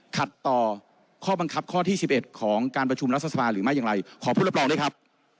ขัดต่อข้อบังคับข้อที่๑๑ของการประชุมรัฐสภาหรือไม่อย่างไรขอผู้รับรองด้วยครับ